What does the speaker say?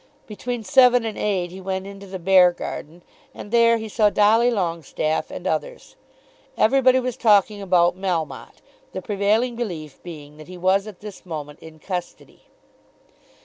Between seven and eight he went into the Beargarden, and there he saw Dolly Longestaffe and others. Everybody was talking about Melmotte, the prevailing belief being that he was at this moment in custody.